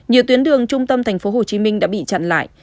nhiều tuyến đường trung tâm tp hcm đã bị chặn lại